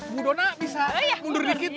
mudona bisa mundur dikit